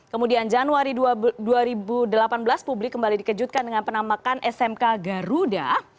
kemudian januari dua ribu delapan belas publik kembali dikejutkan dengan penamakan smk garuda